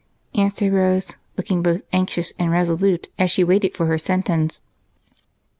" answered Rose, looking both anxious and resolute as she waited for her sentence. Dr.